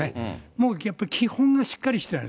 もうやっぱり基本がしっかりしてある。